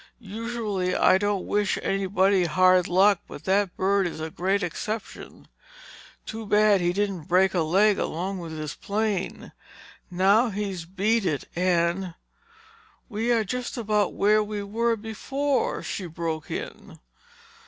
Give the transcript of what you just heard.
Usually I don't wish anybody hard luck but that bird is the great exception. Too bad he didn't break a leg along with his plane. Now he's beat it and—" "We are just about where we were before," she broke in.